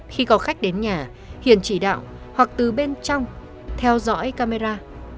khi có khách đến nhà hiền chỉ đạo hoặc từ bên trong theo dõi camera